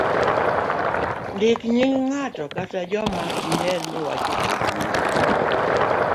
ndik nying' ng'at kata joma diher ni wach ochop nigi